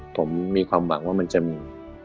ผมมีความหวังว่ามันจะมี